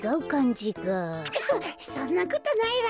そそんなことないわよ。